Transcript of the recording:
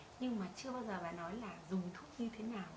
nhưng mà chưa bao giờ bà nói là dùng thuốc như thế nào